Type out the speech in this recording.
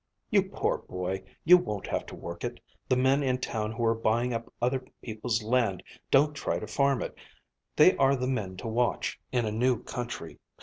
"You poor boy, you won't have to work it. The men in town who are buying up other people's land don't try to farm it. They are the men to watch, in a new country.